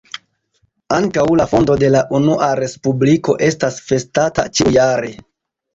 Ankaŭ la fondo de la Unua Respubliko estas festata ĉiujare.